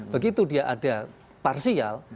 begitu dia ada parsial